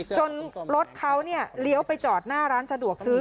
รถเขาเลี้ยวไปจอดหน้าร้านสะดวกซื้อ